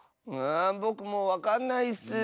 ぼくもうわかんないッス。